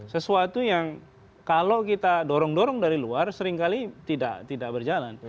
sesuatu yang kalau kita dorong dorong dari luar seringkali tidak berjalan